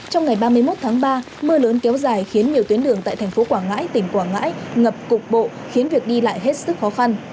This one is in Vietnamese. trong ngày ba mươi một tháng ba mưa lớn kéo dài khiến nhiều tuyến đường tại thành phố quảng ngãi tỉnh quảng ngãi ngập cục bộ khiến việc đi lại hết sức khó khăn